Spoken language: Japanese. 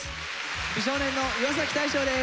美少年の岩大昇です。